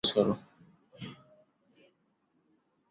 ঠিক আছে, সবাই, ফোকাস করো।